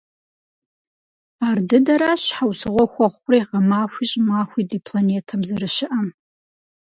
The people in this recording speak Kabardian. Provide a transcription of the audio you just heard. Ардыдэращ щхьэусыгъуэ хуэхъури гъэмахуи щӀымахуи ди планетэм зэрыщыӀэм.